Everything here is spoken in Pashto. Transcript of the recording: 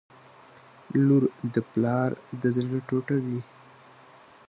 • لور د پلار د زړه ټوټه وي.